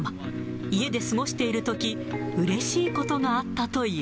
家で過ごしているとき、うれしいことがあったという。